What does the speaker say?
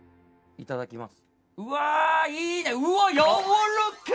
いただきます。